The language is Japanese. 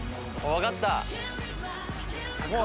分かった。